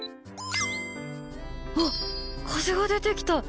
わっ、風が出てきた。